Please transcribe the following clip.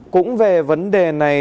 cũng về vấn đề này